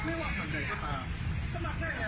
เพราะว่าเราเห็นว่า